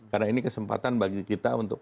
karena ini kesempatan bagi kita untuk